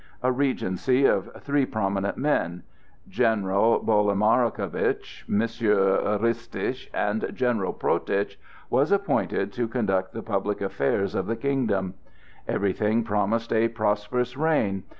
A regency of three prominent men—General Bolimarcovitch, M. Ristitch, and General Protitch—was appointed to conduct the public affairs of the kingdom. Everything promised a prosperous reign.